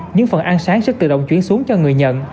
những phần ăn sáng sẽ tự động chuyển xuống cho người nhận